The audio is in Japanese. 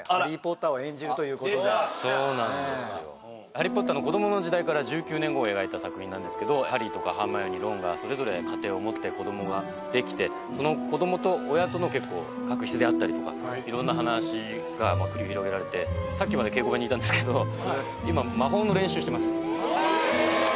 ハリー・ポッターの子どもの時代から１９年後を描いた作品なんですけどハリーとかハーマイオニーロンがそれぞれ家庭を持って子どもができてその子どもと親との結構確執であったりとか色んな話が繰り広げられてさっきまで稽古場にいたんですけど今魔法の練習してますえっ